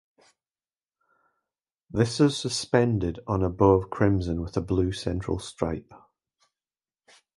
This was suspended on a bow of crimson with a blue central stripe.